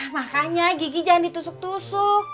makanya gigi jangan ditusuk tusuk